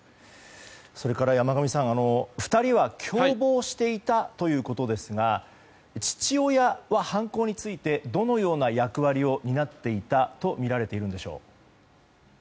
それから、山上さん２人は共謀していたということですが父親は犯行についてどのような役割を担っていたとみられているんでしょう。